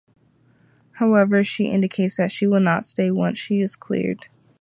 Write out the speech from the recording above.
However, she indicates that she will not stay once she is cleared.